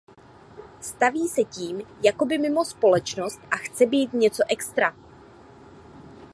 Staví se tím jakoby mimo společnost a chce být „něco extra“.